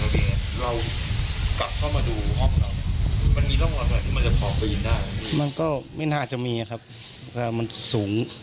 ปรับอยู่ในมันก็ไม่น่าจะมีครับแล้วมันสูง